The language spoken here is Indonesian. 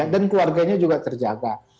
dan keluarganya juga terjaga